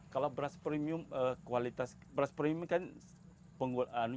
kalau beras premium kualitas beras premium kan penggunaan